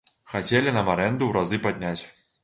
Хацелі нам арэнду ў разы падняць.